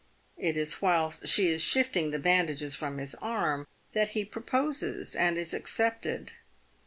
It is whilst she is shifting the bandages from his arm that he proposes and is accepted.